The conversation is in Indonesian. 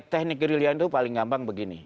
teknik gerillian itu paling gampang begini